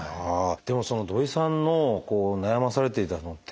でも土井さんの悩まされていた低血糖。